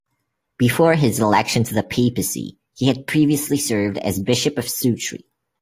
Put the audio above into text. Before his election to the papacy, he had previously served as Bishop of Sutri.